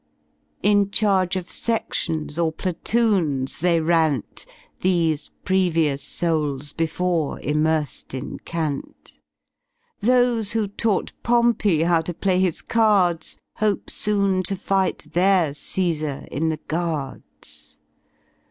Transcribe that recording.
In charge of sedions or platoons they rant Those previous souls before immersed in Kant; Those who taught Pompey how to play his cards Hope soon to fight their 'Casar* in the Guards.